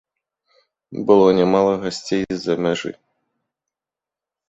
Было нямала гасцей з-за мяжы.